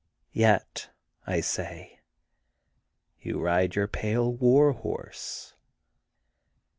^^ Yet,'^ I say, You ride your pale war horse.